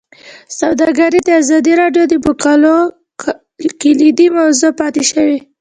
سوداګري د ازادي راډیو د مقالو کلیدي موضوع پاتې شوی.